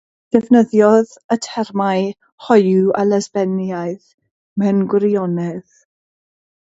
Defnyddiodd y termau hoyw a lesbiaidd mewn gwirionedd.